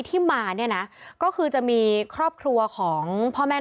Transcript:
ทั้งหลวงผู้ลิ้น